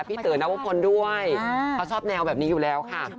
เต๋อนวพลด้วยเขาชอบแนวแบบนี้อยู่แล้วค่ะ